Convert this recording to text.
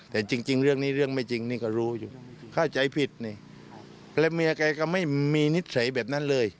และเมียแก็ไม่มีนิสไจแบบนั้นเลย